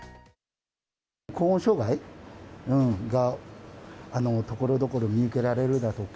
高温障害がところどころ、見受けられるだとか。